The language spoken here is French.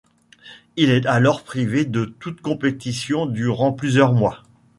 Il est alors privé de toute compétition durant plusieurs mois.